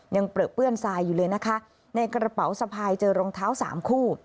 เปลือกเปื้อนทรายอยู่เลยนะคะในกระเป๋าสะพายเจอรองเท้าสามคู่